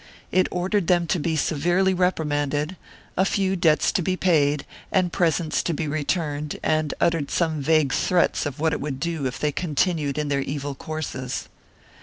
It ordered them to be severely reprimanded, a few debts to be paid and presents to be returned and uttered some vague threats of what it would do if they continued in their evil courses.